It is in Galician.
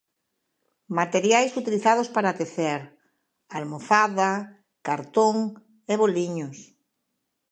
Materiais utilizados para tecer: almofada, cartón e boliños.